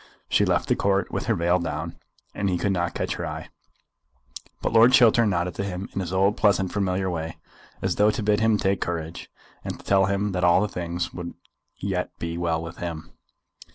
She left the Court with her veil down, and he could not catch her eye; but Lord Chiltern nodded to him in his old pleasant familiar way, as though to bid him take courage, and to tell him that all things would even yet be well with him.